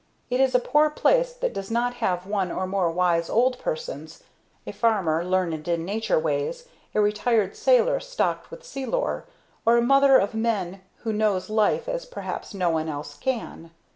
It is a poor place that does not have one or more wise old persons a farmer learned in nature ways, a retired sailor stocked with sea lore, or a mother of men who knows life as perhaps no one else can.